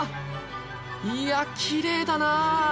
いやきれいだなあ！